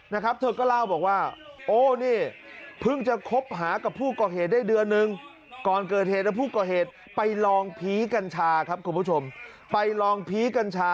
นะครับเธอก็เล่าบอกว่าโอ้นี่